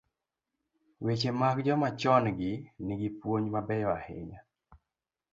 Weche mag joma chon gi nigi puonj mabeyo ahinya.